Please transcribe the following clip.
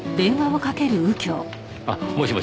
あっもしもし。